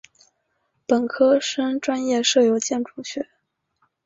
本科生专业设有建筑学。